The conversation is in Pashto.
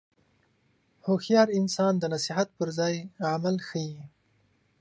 هوښیار انسان د نصیحت پر ځای عمل ښيي.